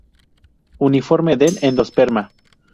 Uniforme del endosperma.